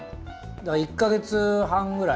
だから１か月半ぐらい？